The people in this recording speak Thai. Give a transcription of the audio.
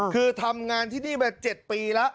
คือทำงานที่นี่มา๗ปีแล้ว